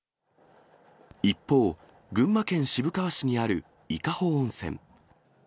一方、群馬県渋川市にある伊香保温泉。